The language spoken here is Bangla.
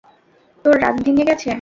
তোর রাগ ভেঙ্গে গেছে?